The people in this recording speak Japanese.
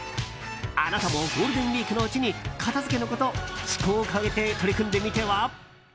あなたもゴールデンウィークのうちに片付けのこと思考を変えて取り組んでみては？